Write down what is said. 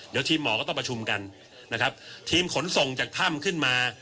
เดี๋ยวทีมหมอก็ต้องประชุมกันนะครับทีมขนส่งจากถ้ำขึ้นมา